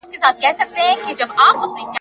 درياب درلودلای